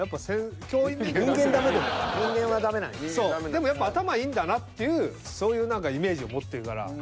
でもやっぱ頭いいんだなっていうそういうイメージを持ってるから。